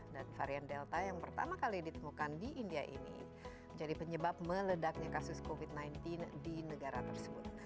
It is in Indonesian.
dan varian delta yang pertama kali ditemukan di india ini menjadi penyebab meledaknya kasus covid sembilan belas di negara tersebut